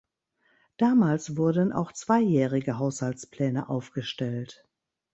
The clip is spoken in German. Damals wurden auch zweijährige Haushaltspläne aufgestellt.